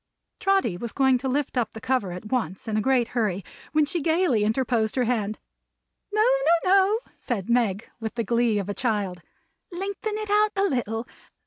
Trotty was going to lift up the cover at once, in a great hurry, when she gayly interposed her hand. "No, no, no," said Meg, with the glee of a child. "Lengthen it out a little.